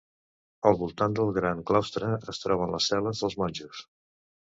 Al voltant del gran claustre es troben les cel·les dels monjos.